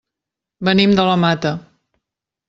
Venim de la Mata.